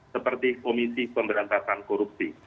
seperti komisi pemberantasan korupsi